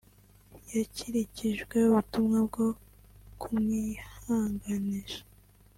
yakirikijwe ubutumwa bwo kumwihanganisha